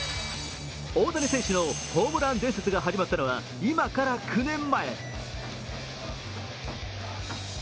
大谷選手のホームラン伝説が始まったのは今から９年前。